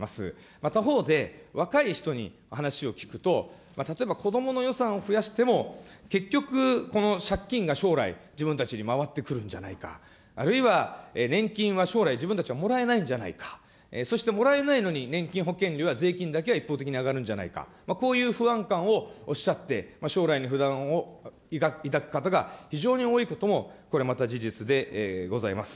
また、他方で若い人にお話を聞くと、例えば子どもの予算を増やしても、結局、この借金が将来、自分たちに回ってくるんじゃないか、あるいは年金は将来、自分たちはもらえないんじゃないか、そしてもらえないのに年金保険料や税金だけは一方的に上がるんじゃないか、こういう不安感をおっしゃって、将来に不安を抱く方が非常に多いことも、これまた事実でございます。